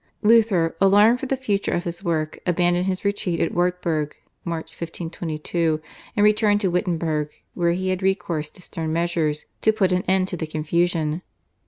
Luther, alarmed for the future of his work, abandoned his retreat at Wartburg (March 1522) and returned to Wittenberg, where he had recourse to stern measures to put an end to the confusion.